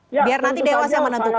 biar nanti dewas yang menentukan